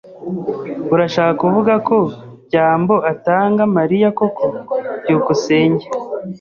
Urashaka kuvuga ko byambo atanga Mariya koko? byukusenge